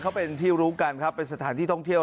เขาเป็นที่รู้กันครับเป็นสถานที่ท่องเที่ยว